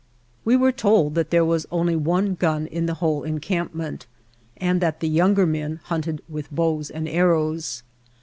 We were told that there was only one gun in the whole encamp ment and that the younger men hunted with bows and arrows.